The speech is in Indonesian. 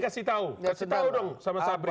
nd kasih tahu dong sama sabri